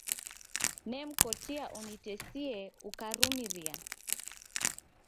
Nemkotia unitesie ukarumiria.